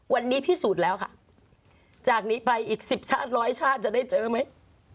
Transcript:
วันนี้พิสูจน์แล้วค่ะจากนี้ไปอีกสิบชาติร้อยชาติจะได้เจอไหม